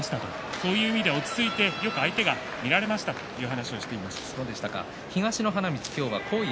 そういう点では落ち着いてよく相手が見えましたと話していました。